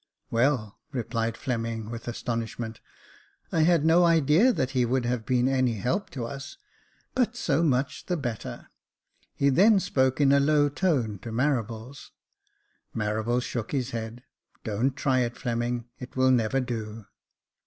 " Well !" replied Fleming, with astonishment ;I had no idea that he would have been any help to us ; but so much the better." He then spoke in a low tone to Marables. Marables shook his head. Don't try it, Fleming, it will never do."